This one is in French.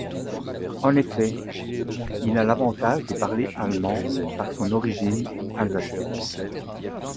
En effet, il a l'avantage de parler allemand par son origine alsacienne.